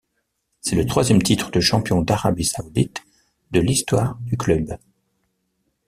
C'est le troisième titre de champion d'Arabie saoudite de l'histoire du club.